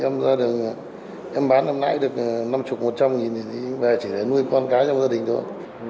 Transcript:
em ra đường em bán năm nãy được năm mươi một trăm linh nghìn thì em về chỉ để nuôi con cái trong gia đình thôi